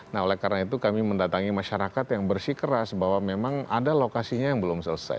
nah oleh karena itu kami mendatangi masyarakat yang bersih keras bahwa memang ada lokasinya yang belum selesai